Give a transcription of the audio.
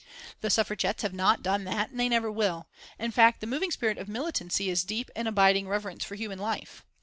The Suffragettes have not done that, and they never will. In fact the moving spirit of militancy is deep and abiding reverence for human life.